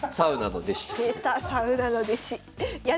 サウナの弟子と。